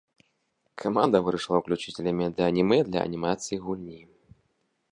Каманда вырашыла ўключыць элементы анімэ для анімацыі гульні.